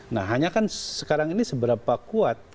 nah hanya kan sekarang ini seberapa kuat